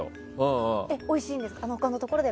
おいしいんですか？